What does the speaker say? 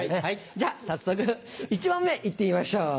じゃ早速１問目行ってみましょう。